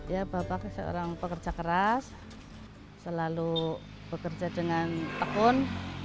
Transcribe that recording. ya bapak seorang pekerja keras selalu bekerja dengan tekun